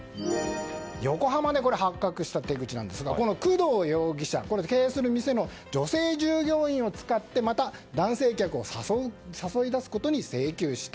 横浜で発覚した手口なんですが工藤容疑者、経営する店の女性従業員を使って男性客を誘い出すことに成功した。